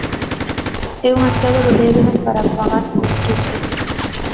É unha serie de débedas para pagar polos que cheguen.